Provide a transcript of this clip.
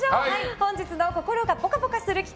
本日の心がぽかぽかする企画